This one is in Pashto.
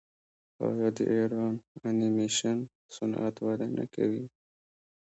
آیا د ایران انیمیشن صنعت وده نه کوي؟